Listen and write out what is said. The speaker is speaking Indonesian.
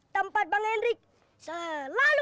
tempat bang hendrik selalu